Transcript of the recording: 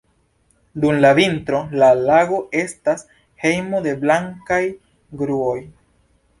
Dum la vintro, la lago estas hejmo de blankaj gruoj.